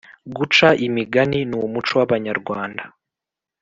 Guca imigani n’umuco w’abanyarwanda